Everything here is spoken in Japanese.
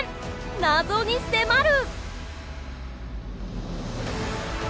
謎に迫る！